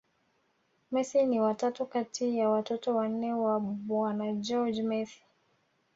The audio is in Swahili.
Messi ni wa tatu kati ya watoto wanne wa bwana Jorge Mesi